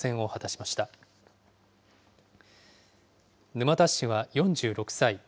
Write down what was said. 沼田氏は４６歳。